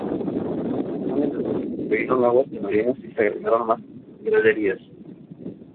En una segunda etapa se construyeron nuevos camerinos y se agregaron más graderías.